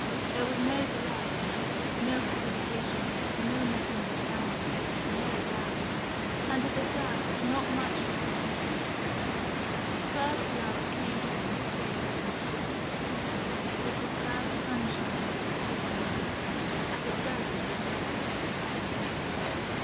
There was no delay, no hesitation, no misunderstandings, no doubt: and at the first not much speech; but first love came to them straight and swift, with the first sunshine of the spring, as it does to the birds.